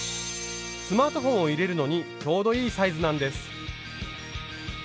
スマートフォンを入れるのにちょうどいいサイズなんです。